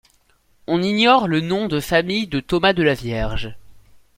On ignore le nom de famille de Thomas de la Vierge.